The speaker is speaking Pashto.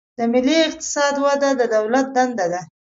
د ملي اقتصاد وده د دولت دنده ده.